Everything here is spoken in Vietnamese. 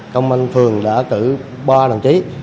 công an phường đã cử ba đồng chí